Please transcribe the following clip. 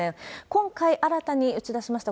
今回、新たに打ち出しました